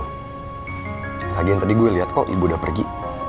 lagi yang tadi gue liat kok ibu udah pergi